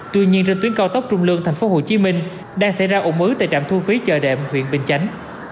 tuy nhiên trên tuyến cao tốc trung lương thành phố hồ chí minh đang xảy ra ủng ứng tại trạm thu phí chợ đệm huyện bình chánh